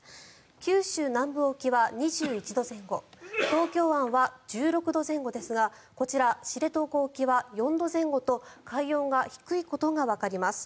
九州南部沖は２１度前後東京湾は１６度前後ですがこちら、知床沖は４度前後と海温が低いことがわかります。